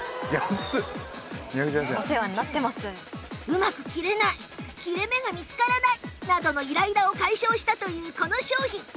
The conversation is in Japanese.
うまく切れない切れ目が見つからないなどのイライラを解消したというこの商品